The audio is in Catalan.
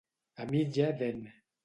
A mitja dent.